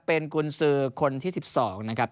เป็นกุญสือคนที่๑๒นะครับ